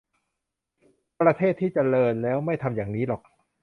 ประเทศที่เจริญแล้วไม่ทำอย่างนี้หรอก